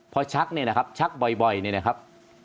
พอชักเนี่ยนะครับชักบ่อยเนี่ยนะครับ